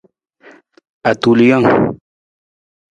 Atulijang.